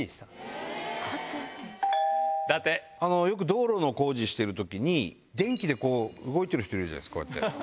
道路の工事してる時に電気で動いてる人いるじゃないですか。